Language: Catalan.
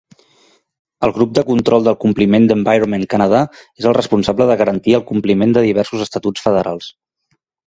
El grup de control del compliment d'Environment Canada és el responsable de garantir el compliment de diversos estatuts federals.